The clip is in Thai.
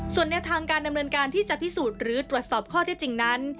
ส่วนแนวทางการดำเนินการที่จะพิสูจน์หรือตรวจสอบข้อเท็จจริงนั้น